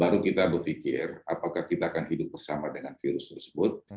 baru kita berpikir apakah kita akan hidup bersama dengan virus tersebut